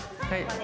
はい。